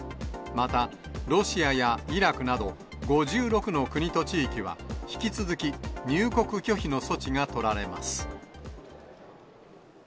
また、ロシアやイラクなど、５６の国と地域は、引き続き、入国拒否の措置が取られます。